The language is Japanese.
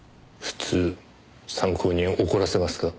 普通参考人怒らせますか？